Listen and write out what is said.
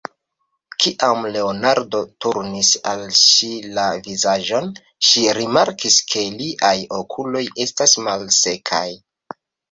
Kiam Leonardo turnis al ŝi la vizaĝon, ŝi rimarkis, ke liaj okuloj estas malsekaj.